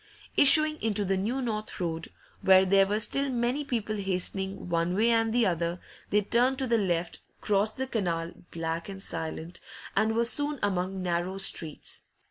Issuing into the New North Road, where there were still many people hastening one way and the other, they turned to the left, crossed the canal black and silent and were soon among narrow streets.